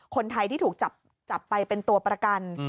คนไทยที่ถูกจับไปเป็นตัวประกัน